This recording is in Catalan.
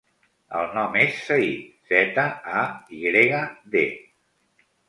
El nom és Zayd: zeta, a, i grega, de.